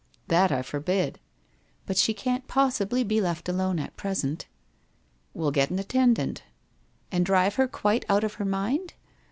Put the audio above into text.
' That I forbid.' ' But she can't possibly be left alone at present.' * We'll get an attendant.' ' And drive her quite out of her mind ?